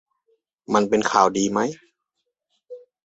มันเป็นข่าวดีมั้ย